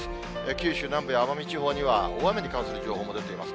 九州南部や奄美地方には、大雨に関する情報も出ています。